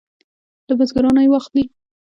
له بزګرانو یې واخلي.